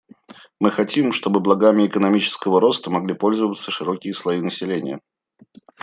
Мы хотим, чтобы благами экономического роста могли пользоваться широкие слои населения.